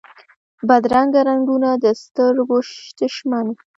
بدرنګه رنګونه د سترګو دشمن وي